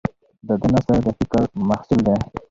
د ده نثر د فکر محصول دی.